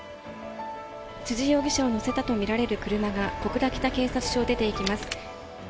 辻容疑者を乗せたと見られる車が、小倉北警察署を出ていきま